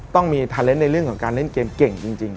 ต้องมีตอนละทางในเรื่องการเล่นเกมเก่งจริง